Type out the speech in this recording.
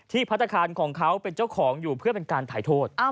พัฒนาคารของเขาเป็นเจ้าของอยู่เพื่อเป็นการถ่ายโทษ